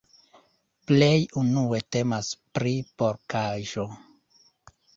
Plej unue temas pri porkaĵo.